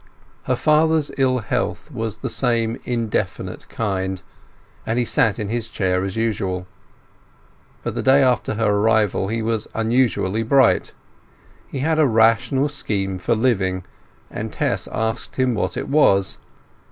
Her father's ill health was the same indefinite kind, and he sat in his chair as usual. But the day after her arrival he was unusually bright. He had a rational scheme for living, and Tess asked him what it was.